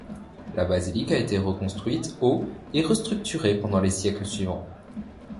La basilique a été reconstruite au et restructurée pendant les siècles suivants.